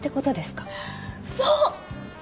そう！